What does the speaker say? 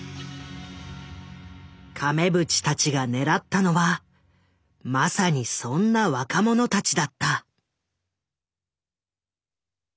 亀渕たちがねらったのはまさにそんな若者たちだった。